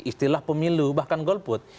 istilah pemilu bahkan golput